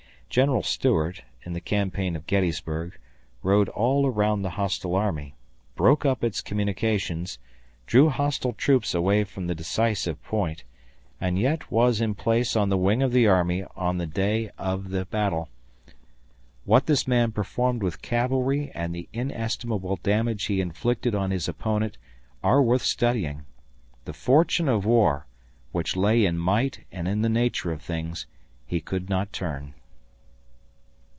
General Stuart, in the campaign of Gettysburg, rode all around the hostile army, broke up its communications, drew hostile troops away from the decisive point, and yet was in place on the wing of the army on the day of the battle. What this man performed with cavalry and the inestimable damage he inflicted on his opponent are worth studying. The fortune of war, which lay in might and in the nature of things, he could not turn.